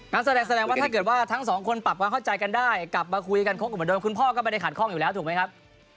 แสดงแสดงว่าถ้าเกิดว่าทั้งสองคนปรับความเข้าใจกันได้กลับมาคุยกันครบกันเหมือนเดิมคุณพ่อก็ไม่ได้ขัดข้องอยู่แล้วถูกไหมครับ